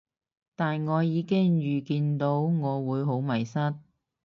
但我已經預見到我會好迷失